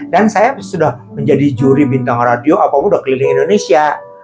dan saya sudah menjadi juri bintang radio apapun sudah keliling indonesia